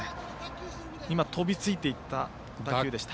今、飛びついていった打球でした。